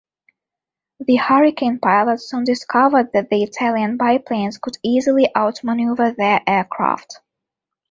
The Hurricane pilots soon discovered that the Italian biplanes could easily outmaneuver their aircraft.